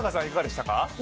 いかがでしたか？